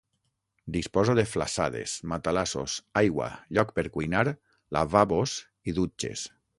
Disposa de flassades, matalassos, aigua, lloc per cuinar, lavabos i dutxes.